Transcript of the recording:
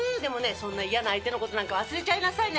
そんな嫌な相手の事なんか忘れちゃいなさいね。